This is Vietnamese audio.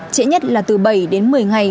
trễ nhất là từ bảy đến một mươi ngày